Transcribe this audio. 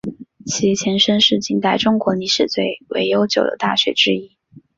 其前身是近代中国历史最为悠久的大学之一。